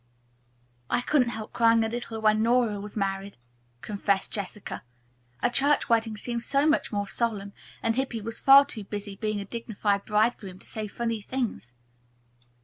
"I couldn't help crying a little when Nora was married," confessed Jessica. "A church wedding seems so much more solemn, and Hippy was far too busy being a dignified bridegroom to say funny things."